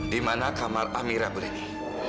di mana kamar amira berdiri